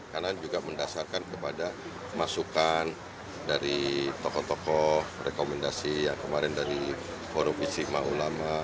karena juga mendasarkan kepada masukan dari tokoh tokoh rekomendasi yang kemarin dari korupisimah ulama